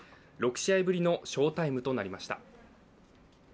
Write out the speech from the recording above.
６試合ぶりの翔タイムとなりました